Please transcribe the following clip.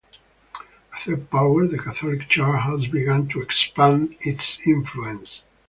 A third power, the Catholic Church, had begun to expand its influence.